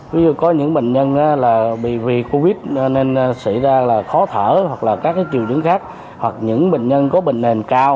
vì covid nên xảy ra khó thở hoặc là các triều chứng khác hoặc những bệnh nhân có bệnh nền cao